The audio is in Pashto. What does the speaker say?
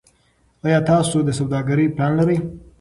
ایا تاسو د سوداګرۍ پلان لرئ.